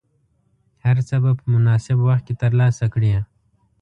هر څه به په مناسب وخت کې ترلاسه کړې.